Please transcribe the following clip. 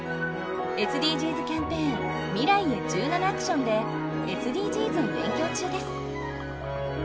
ＳＤＧｓキャンペーン「未来へ１７ａｃｔｉｏｎ」でＳＤＧｓを勉強中です。